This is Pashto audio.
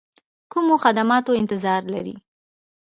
کومو خدماتو انتظار لري.